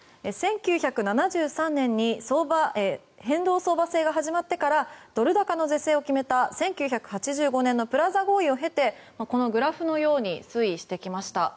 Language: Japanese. １９７３年に変動相場制が始まってからドル高の是正を決めた１９８５年のプラザ合意を経てこのグラフのように推移してきました。